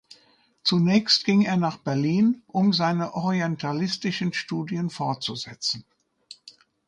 Zunächst ging er nach Berlin um seine orientalistischen Studien fortzusetzen.